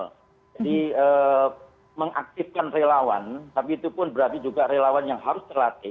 jadi mengaktifkan relawan tapi itu pun berarti juga relawan yang harus terlatih